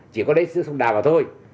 chỉ có lấy sữa sông đà vào thôi